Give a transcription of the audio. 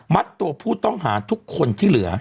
ตัวผู้ต้องหาทุกคนที่เหลือ